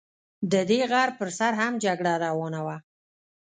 د دې غر پر سر هم جګړه روانه وه.